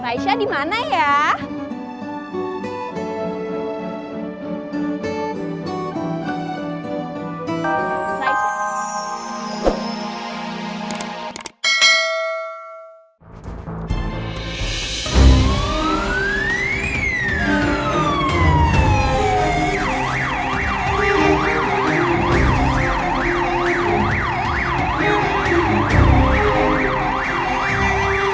raisa dimana ya